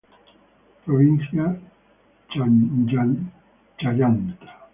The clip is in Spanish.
Provincia Chayanta.